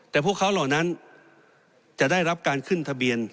แต่พวกเขาเหล่านั้นจะได้รับการขึ้นทะเบียน